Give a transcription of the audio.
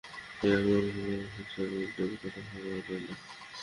বিরান মরুভূমিতে মানুষ ছাড়া উটের কথা ভাবাও যায় না।